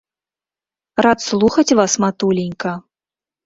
Рад слухаць вас, матуленька.